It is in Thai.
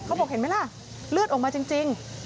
เขาบอกเห็นไหมล่ะเลือดออกมาจริง